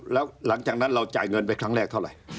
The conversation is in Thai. แล้วหลังจากนั้นเราจ่ายเงินไปครั้งแรกเท่าไหร่